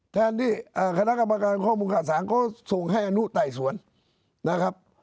แทนที่คณะกรรมการข้อมูลข่าวสารก็ส่งให้อนุไต่สวนนะครับ